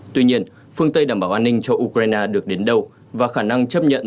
tuy nhiên phương tây đảm bảo an ninh cho ukraine được đến đâu và khả năng chấp nhận